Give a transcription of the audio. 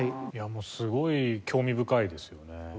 いやもうすごい興味深いですよね。